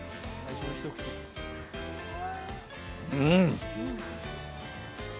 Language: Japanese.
うん！